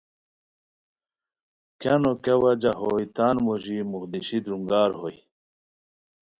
کیہ نو کیہ وجہ ہوئے تان موژی موخ دیشی درونگار ہوئے